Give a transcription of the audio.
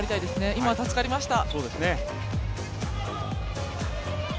今、助かりました。